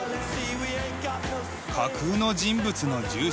架空の人物の住所？